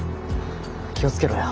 気を付けろよ。